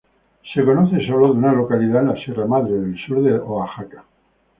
Se conoce solo de una localidad en la Sierra Madre del Sur de Oaxaca.